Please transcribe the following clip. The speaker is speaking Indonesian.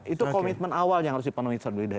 itu komitmen awal yang harus dipenuhi